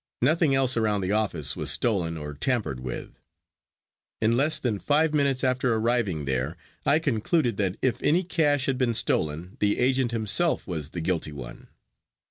Nothing else around the office was stolen or tampered with. In less than five minutes after arriving there I concluded that if any cash had been stolen the agent himself was the guilty one.